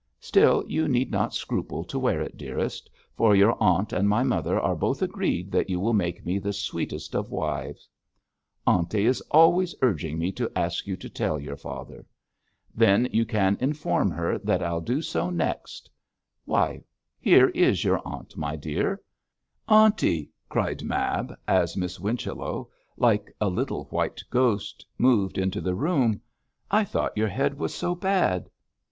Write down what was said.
Still, you need not scruple to wear it, dearest, for your aunt and my mother are both agreed that you will make me the sweetest of wives.' 'Aunty is always urging me to ask you to tell your father.' 'Then you can inform her that I'll do so next why, here is your aunt, my dear.' 'Aunty!' cried Mab, as Miss Whichello, like a little white ghost, moved into the room. 'I thought your head was so bad.'